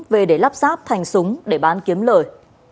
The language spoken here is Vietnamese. về để lắp ráp thành súng để bán kiếm lời